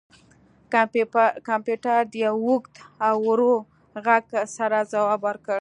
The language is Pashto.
کمپیوټر د یو اوږد او ورو غږ سره ځواب ورکړ